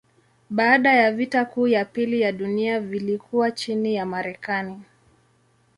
Baada ya vita kuu ya pili ya dunia vilikuwa chini ya Marekani.